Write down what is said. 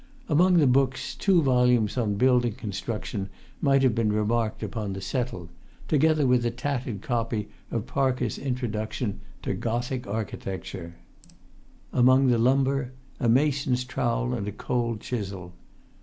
Among the books two volumes on Building Construction might have been remarked upon the settle, together with a tattered copy of Parker's Introduction to Gothic Architecture; among the lumber, a mason's trowel and a cold chisel.